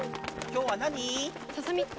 今日は何？